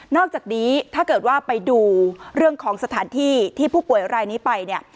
อกจากนี้ถ้าเกิดว่าไปดูเรื่องของสถานที่ที่ผู้ป่วยรายนี้ไปเนี่ย